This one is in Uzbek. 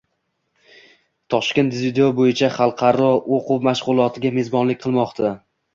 Toshkent dzyudo bo‘yicha xalqaro o‘quv-mashg‘ulotiga mezbonlik qilmoqda